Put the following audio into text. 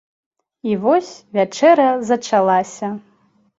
І вось вячэра зачалася!